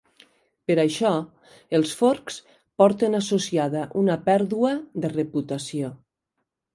Per això, els "forks" porten associada una pèrdua de reputació.